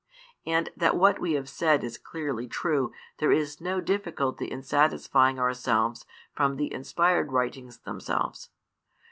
And that what we have said is clearly true there is no difficulty in satisfying ourselves from the inspired writings themselves.